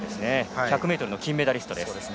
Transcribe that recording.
１００ｍの金メダリストです。